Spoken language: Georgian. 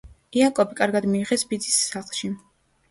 იაკობი კარგად მიიღეს ბიძის სახლში.